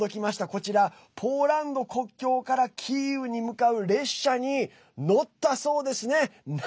こちら、ポーランド国境からキーウに向かう列車に乗ったそうですね。